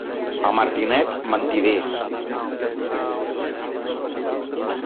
A Martinet, mentiders.